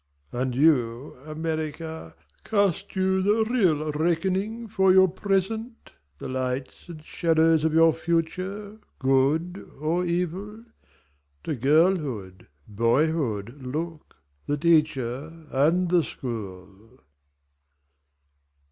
And you America, Cast you the real reckoning for your present? The lights and shadows of your future, good or evil? To girlhood, boyhood look, the teacher and the school.